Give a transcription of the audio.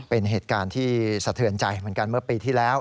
เป็นเหตุการณ์ที่สะเทือนใจเหมือนกันเมื่อปีที่แล้ว